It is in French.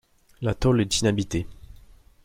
L'atoll est inhabité.